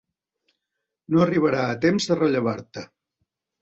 No arribarà a temps de rellevar-te.